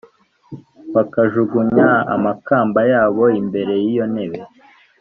bakajugunya amakamba yabo imbere y’iyo ntebe